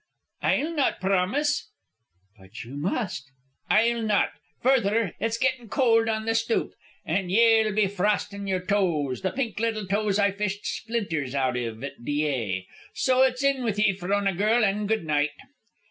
"I'll not promise." "But you must." "I'll not. Further, it's gettin' cold on the stoop, an' ye'll be frostin' yer toes, the pink little toes I fished splinters out iv at Dyea. So it's in with ye, Frona girl, an' good night."